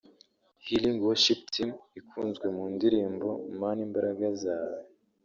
Healing worship team ikunzwe mu ndirimbo; Mana imbaraga zawe